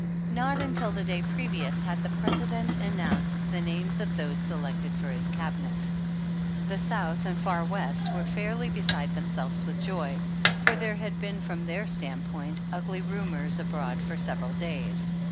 Not until the day previous had the President an nounced the names of those selected for his Cabinet. 15 i6 The South and Far West were fairly beside them selves with joy, for there had been from their stand point ugly rumors abroad for several days.